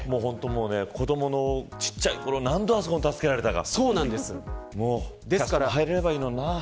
子どもがちっちゃいころ何度、あそこに助けられたか。